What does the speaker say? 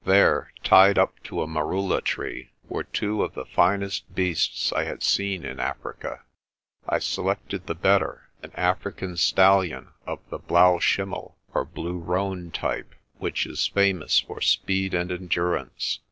There, tied up to a merula tree, were two of the finest beasts I had seen in Africa. I selected the better, an African stallion of the blaau'w schlmmel^ or blue roan type, which is famous for speed and endurance.